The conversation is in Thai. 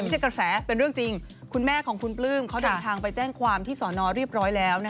กระแสเป็นเรื่องจริงคุณแม่ของคุณปลื้มเขาเดินทางไปแจ้งความที่สอนอเรียบร้อยแล้ว